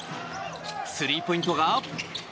スリーポイントが。